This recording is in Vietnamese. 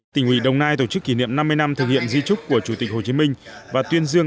tỉnh ủy đồng nai tổ chức kỷ niệm năm mươi năm thực hiện di trúc của chủ tịch hồ chí minh và tuyên dương